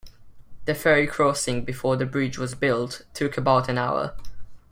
The ferry crossing before the bridge was built took about an hour.